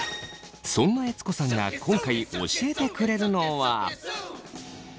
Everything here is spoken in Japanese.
そんな悦子さんが今回教えてくれるのは。